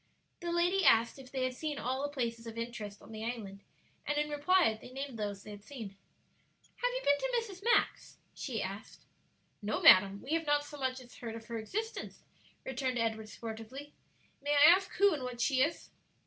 The lady asked if they had seen all the places of interest on the island, and in reply they named those they had seen. "Have you been to Mrs. Mack's?" she asked. "No, madam, we have not so much as heard of her existence," returned Edward, sportively. "May I ask who and what she is?"